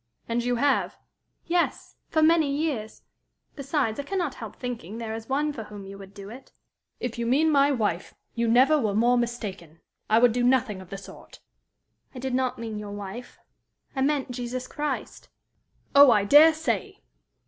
"And you have?" "Yes for many years. Besides, I can not help thinking there is one for whom you would do it." "If you mean my wife, you never were more mistaken. I would do nothing of the sort." "I did not mean your wife. I mean Jesus Christ." "Oh, I dare say!